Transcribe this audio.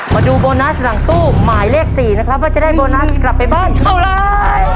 มาดูโบนัสหลังตู้หมายเลข๔นะครับว่าจะได้โบนัสกลับไปบ้านเท่าไร